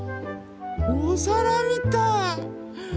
おさらみたい！